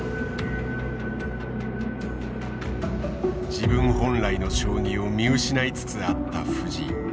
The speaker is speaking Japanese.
自分本来の将棋を見失いつつあった藤井。